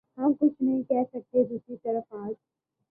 ہم کچھ نہیں کہہ سکتے دوسری طرف آج